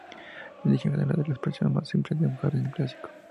El diseño general es la expresión más simple de un jardín clásico.